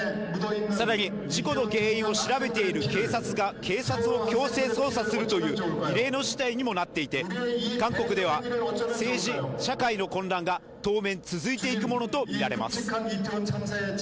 更に事故の原因を調べている警察が警察を強制捜査するという異例の事態にもなっていて、韓国では政治・社会の混乱が当面続いていくものとみられます。